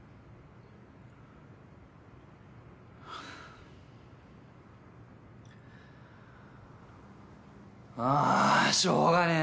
ああしょうがねえなあ！